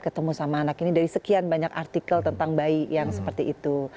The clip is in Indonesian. ketemu sama anak ini dari sekian banyak artikel tentang bayi yang seperti itu